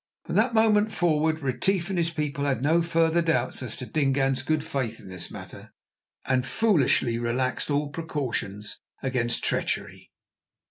From that moment forward Retief and his people had no further doubts as to Dingaan's good faith in this matter, and foolishly relaxed all precautions against treachery.